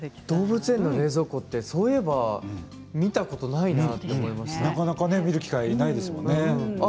動物園の冷蔵庫ってそういえば見たことないなとなかなか見る機会ないですもんね。